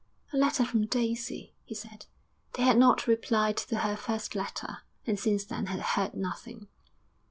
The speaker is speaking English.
'A letter from Daisy,' he said. They had not replied to her first letter, and since then had heard nothing.